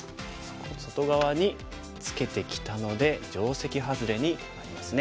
外側にツケてきたので定石ハズレになりますね。